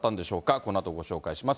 このあとご紹介します。